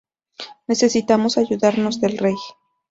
Necesitamos ayudarnos del rey.